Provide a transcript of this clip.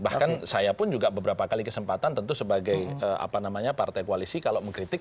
bahkan saya pun juga beberapa kali kesempatan tentu sebagai partai koalisi kalau mengkritik